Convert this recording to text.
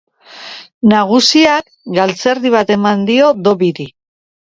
Nagusiak galtzerdi bat eman dio Dobbyri.